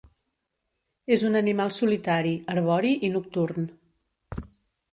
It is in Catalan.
És un animal solitari, arbori i nocturn.